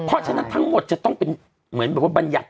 เพราะฉะนั้นทั้งหมดจะต้องเป็นเหมือนบัญญัติ